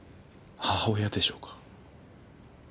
母親でしょうか。